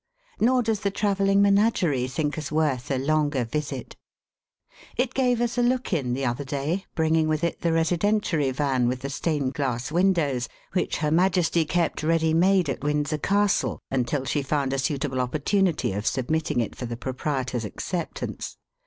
Nor does the travelling menagerie think us worth a longer visit. It gave us a look in the other day, bringing with it the residentiary van with the stained glass windows, which Her Majesty kept ready made at Windsor Castle, until she found a suitable opportunity of submitting it for the proprietor's acceptance.